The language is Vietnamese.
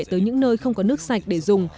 tới những nơi không có nước sạch để dùng